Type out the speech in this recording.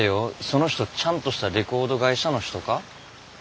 その人ちゃんとしたレコード会社の人か？